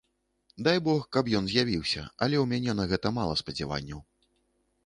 Дай бог, каб ён з'явіўся, але ў мяне на гэта мала спадзяванняў.